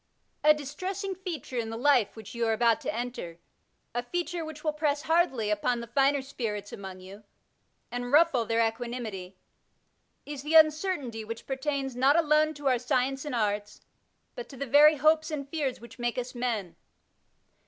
A distressing feature in the life which you are about to enter, a feature which will press hardly upon the finer spirits among you and ruffle their equanimity, is the un certainty which pertains not alone to our science and art, but to the very hopes and fears which make us men.